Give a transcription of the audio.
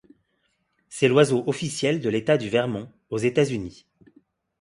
C'est l'oiseau officiel de l'état du Vermont, aux États-Unis.